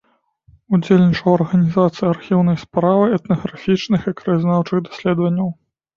Удзельнічаў у арганізацыі архіўнай справы, этнаграфічных і краязнаўчых даследаванняў.